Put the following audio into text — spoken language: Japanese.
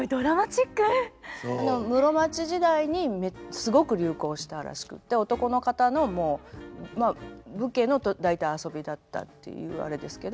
室町時代にすごく流行したらしくって男の方のまあ武家の大体遊びだったっていうあれですけど。